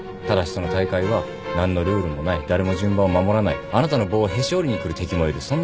ただしその大会は何のルールもない誰も順番を守らないあなたの棒をへし折りに来る敵もいる。